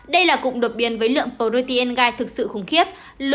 đây là cục đột biến với lượng protein gai thực sự khủng khiếp